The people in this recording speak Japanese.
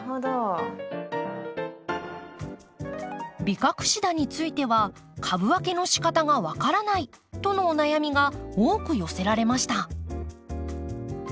ビカクシダについては株分けのしかたが分からないとのお悩みが多く寄せられました。